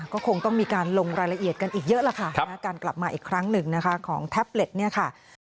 ก็คงต้องมีการลงรายละเอียดกันอีกเยอะล่ะค่ะการกลับมาอีกครั้งหนึ่งนะคะของแท็บเล็ตเนี่ยค่ะ